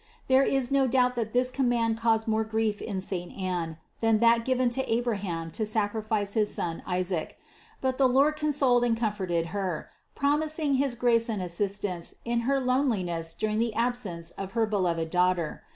There is no doubt that this command caused more grief in saint Anne, than that given to Abraham to sacrifice his son Isaac. But the Lord consoled and comforted Her, promising his grace and assistance in her loneliness during the absence of her beloved Daughter.